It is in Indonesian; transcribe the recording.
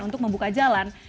untuk membuka jalan